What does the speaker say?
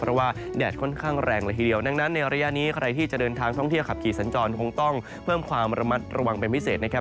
เพราะว่าแดดค่อนข้างแรงละทีเดียวดังนั้นในระยะนี้ใครที่จะเดินทางท่องเที่ยวขับขี่สัญจรคงต้องเพิ่มความระมัดระวังเป็นพิเศษนะครับ